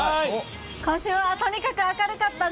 今週はとにかく明るかったね。